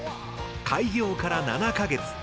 開業から７か月。